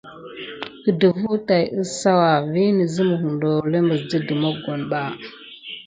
Gədəfwa tät kisawa viŋ ne simick ndolé dide mokone ba.